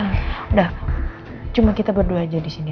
udah cuma kita berdua aja disini